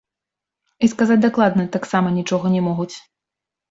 І сказаць дакладна таксама нічога не могуць.